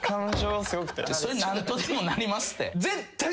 それ何とでもなりますって。